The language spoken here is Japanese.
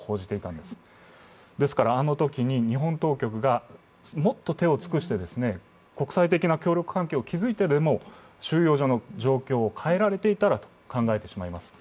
ですからあのときに日本当局がもっと手を尽くして国際的な協力関係を築いてでも収容所の状況を変えられていたらと考えてしまいます。